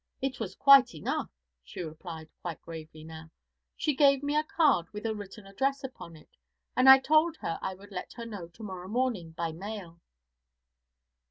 'It was quite enough,' she replied, quite gravely now. 'She gave me a card with a written address upon it, and I told her I would let her know to morrow morning by mail.'